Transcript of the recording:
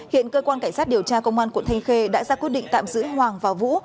hiện cơ quan cảnh sát điều tra công an quận thanh khê đã ra quyết định tạm giữ hoàng và vũ